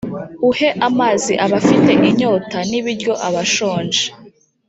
uhe amazi abafite inyota n'ibiryo abashonje.